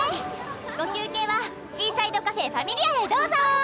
ご休憩はシーサイドカフェ「Ｆａｍｉｌｉａ」へどうぞ！